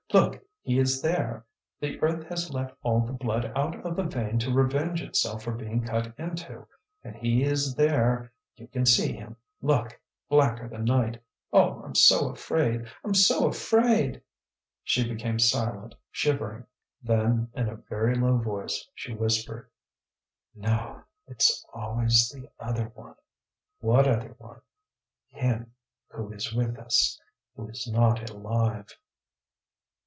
Look! he is there. The earth has let all the blood out of the vein to revenge itself for being cut into; and he is there you can see him look! blacker than night. Oh, I'm so afraid, I'm so afraid!" She became silent, shivering. Then in a very low voice she whispered: "No, it's always the other one." "What other one?" "Him who is with us; who is not alive."